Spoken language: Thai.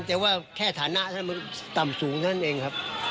แต่ว่าแค่ฐานะมันต่ำสูงของตัวเองครับ